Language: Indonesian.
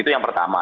itu yang pertama